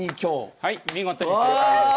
はい見事に正解です。